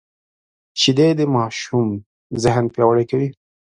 شیدې د ماشوم ذهن پیاوړی کوي